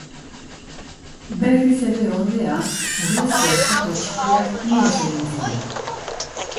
Berriz ere, ordea, urrezko estatua txikiak ihes egin zion.